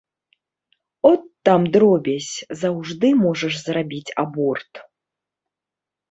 От там, дробязь, заўжды можаш зрабіць аборт.